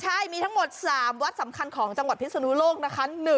ใช่มีทั้งหมด๓วัดสำคัญของจังหวัดพิศนุโลกนะคะ